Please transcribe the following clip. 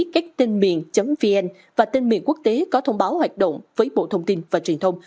các tên miền vn và tên miền quốc tế có thông báo hoạt động với bộ thông tin và truyền thông